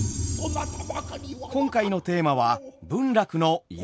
今回のテーマは文楽の「色男」。